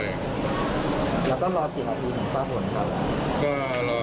แล้วต้องรอสี่นาทีถึงสะหน่วนกันหรือ